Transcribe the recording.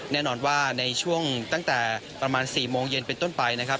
แน่นอนว่าในช่วงตั้งแต่ประมาณ๔โมงเย็นเป็นต้นไปนะครับ